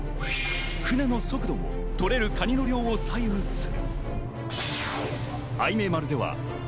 船の速度も取れるカニの量を左右する。